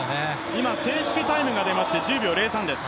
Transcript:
今正式タイムが出まして１０秒０３です。